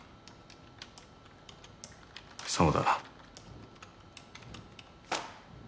そうだな。